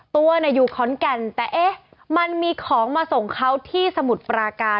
ตัวอยู่ขอนแก่นแต่เอ๊ะมันมีของมาส่งเขาที่สมุทรปราการ